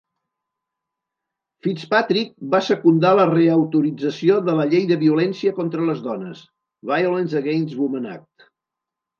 Fitzpatrick va secundar la reautorització de la Llei de violència contra les dones (Violence Against Women Act).